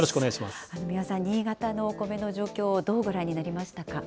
三輪さん、新潟のお米の状況、どうご覧になりましたか。